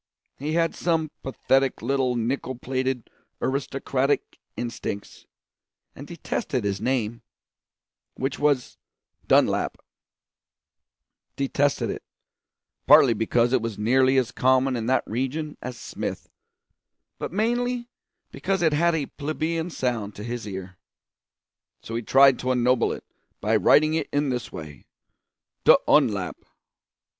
He had some pathetic little nickel plated aristocratic instincts, and detested his name, which was Dunlap; detested it, partly because it was nearly as common in that region as Smith, but mainly because it had a plebeian sound to his ear. So he tried to ennoble it by writing it in this way: d'Unlap.